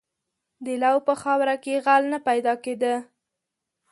• د لو په خاوره کې غل نه پیدا کېده.